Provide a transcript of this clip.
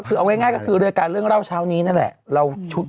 เอาง่ายก็คือเรื่องเล่าชาวนี้นั่นแหละ